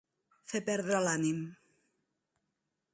Fer perdre l'ànim.